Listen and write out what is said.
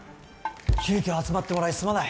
急きょ集まってもらいすまない。